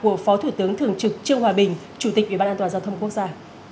ấn thường trực trương hòa bình chủ tịch ủy ban an toàn giao thông quốc gia